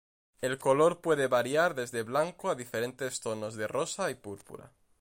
El color puede variar desde blanco a diferentes tonos de rosa y púrpura.